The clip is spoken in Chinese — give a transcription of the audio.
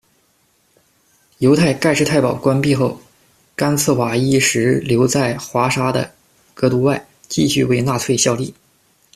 犹太盖世太保关闭后，甘茨瓦伊什留在华沙的隔都外，继续为纳粹效力。